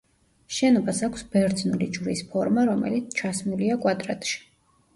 შენობას აქვს ბერძნული ჯვრის ფორმა, რომელიც ჩასმულია კვადრატში.